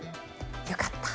よかった！